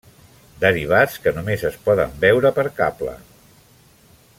Derivats que només es poden veure per cable.